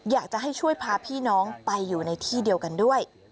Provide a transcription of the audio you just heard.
อยากจะให้ช่วยพาพี่น้องไปอยู่ในที่เดียวกันด้วย